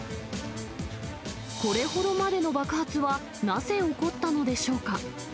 これほどまでの爆発はなぜ起こったのでしょうか。